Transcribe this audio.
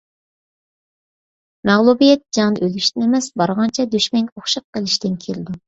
مەغلۇبىيەت جەڭدە ئۆلۈشتىن ئەمەس، بارغانچە دۈشمەنگە ئوخشاپ قېلىشتىن كېلىدۇ.